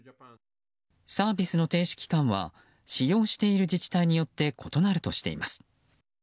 サービスの停止期間は使用している自治体によって異なるとしています。